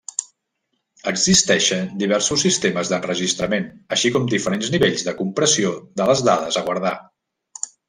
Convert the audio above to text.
Existeixen diversos sistemes d'enregistrament, així com diferents nivells de compressió de les dades a guardar.